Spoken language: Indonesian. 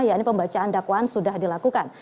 yakni pembacaan dakwaan sudah dilakukan